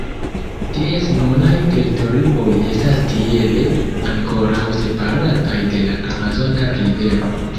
Ties nunaj teritorioj estas tiele ankoraŭ separataj de la Amazona rivero.